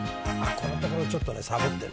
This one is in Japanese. このところちょっとサボってる。